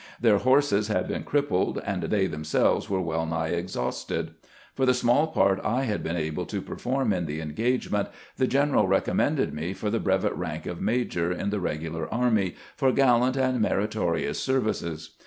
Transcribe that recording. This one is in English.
Their horses had been crippled, and they themselves were well nigh exhausted. For the small part I had been able to per form in the engagement, the general recommended me for the brevet rank of major in the regular army, " for gallant and meritorious services."